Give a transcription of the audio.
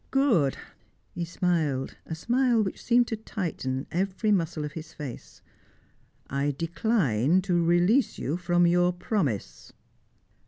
"Good." He smiled, a smile which seemed to tighten every muscle of his face. "I decline to release you from your promise."